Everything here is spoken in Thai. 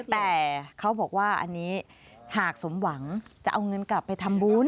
แต่เขาบอกว่าอันนี้หากสมหวังจะเอาเงินกลับไปทำบุญ